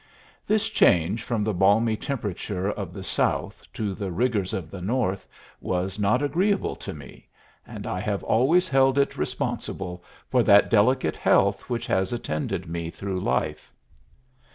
This change from the balmy temperature of the South to the rigors of the North was not agreeable to me, and I have always held it responsible for that delicate health which has attended me through life.